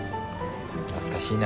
懐かしいな。